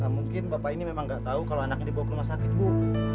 mungkin bapak ini memang nggak tahu kalau anaknya dibawa ke rumah sakit bu